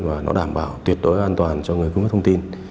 và nó đảm bảo tuyệt đối an toàn cho người cung cấp thông tin